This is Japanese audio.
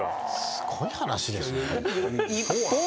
すごい話ですね。